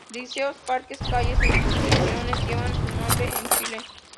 Liceos, parques, calles e instituciones llevan su nombre en Chile.